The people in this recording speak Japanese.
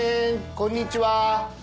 こんにちは！